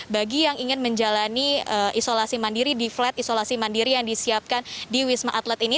bagi yang ingin menjalani isolasi mandiri di flat isolasi mandiri yang disiapkan di wisma atlet ini